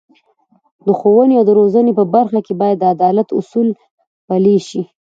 د ښوونې او روزنې په برخه کې باید د عدالت اصول پلي شي.